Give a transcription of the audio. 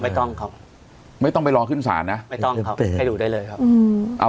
ต้องครับไม่ต้องไปรอขึ้นศาลนะไม่ต้องครับให้ดูได้เลยครับอืมเอา